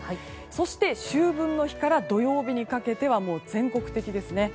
そして秋分の日から土曜日にかけては全国的ですね。